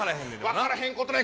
分からへんことない。